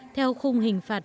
theo khung hình phạt